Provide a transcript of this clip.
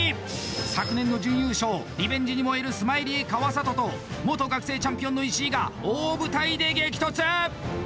昨年の準優勝、リベンジに燃えるスマイリー川里と元学生王者の石井が大舞台で激突。